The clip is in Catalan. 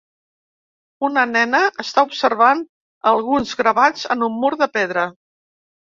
Una nena està observant alguns gravats en un mur de pedra.